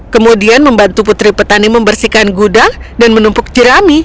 kemudian membantu putri petani membersihkan gudang dan menumpuk jerami